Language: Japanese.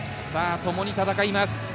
ともに戦います。